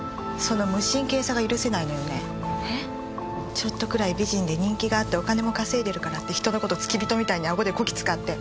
ちょっとくらい美人で人気があってお金も稼いでるからって人の事付き人みたいにアゴでこき使って。